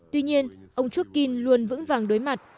tuy nhiên ông chukin luôn vững vàng đối mặt